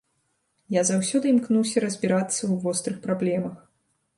Я заўсёды імкнуся разбірацца ў вострых праблемах.